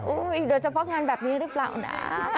โดยเฉพาะงานแบบนี้หรือเปล่านะ